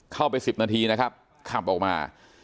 เข้าไป๑๐นาทีนะครับขับออกมา